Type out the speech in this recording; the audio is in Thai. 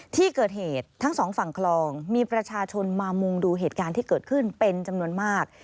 ที่เกิดเหตุทั้งสองฝั่งคลองมีประชาชนมามุงดูเหตุการณ์ที่เกิดขึ้นเป็นจำนวนมาก